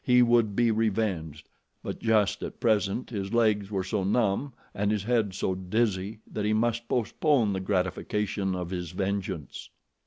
He would be revenged, but just at present his legs were so numb and his head so dizzy that he must postpone the gratification of his vengeance.